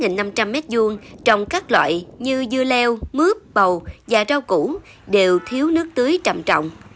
trên năm trăm linh m hai trồng các loại như dưa leo mướp bầu và rau củ đều thiếu nước tưới trầm trọng